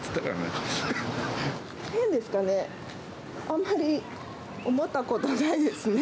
あんまり思ったことないですね。